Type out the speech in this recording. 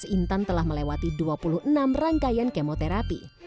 intan telah melewati dua puluh enam rangkaian kemoterapi